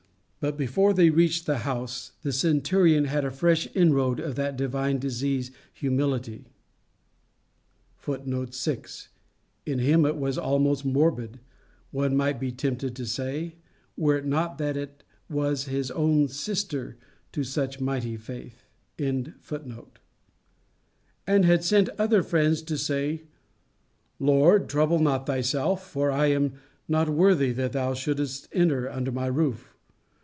But before they reached the house, the centurion had a fresh inroad of that divine disease, humility, [Footnote 6: In him it was almost morbid, one might be tempted to say, were it not that it was own sister to such mighty faith.] and had sent other friends to say, "Lord, trouble not thyself, for I am not worthy that thou shouldest enter under my roof.